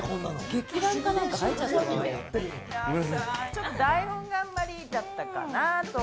ちょっと台本があんまりだったかなと。